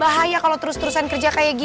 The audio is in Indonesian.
bahaya kalo terus terusan kerja kaya gini